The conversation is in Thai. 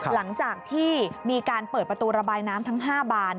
หลังจากที่มีการเปิดประตูระบายน้ำทั้ง๕บาน